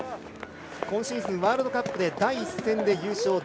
今シーズン、ワールドカップで第１戦で優勝。